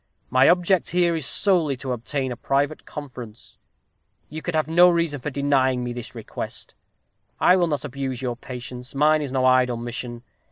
My object here is solely to obtain a private conference. You can have no reason for denying me this request. I will not abuse your patience. Mine is no idle mission.